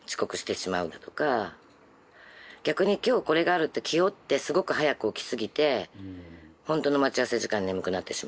逆に今日これがあるって気負ってすごく早く起きすぎてほんとの待ち合わせ時間に眠くなってしまうだとか。